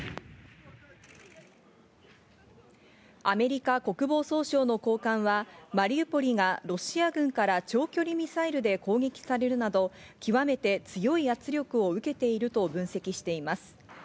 アメリカ国防総省の高官はマリウポリがロシア軍から長距離ミサイルで攻撃されるなど、極めて強い圧力を受けていると分析しています。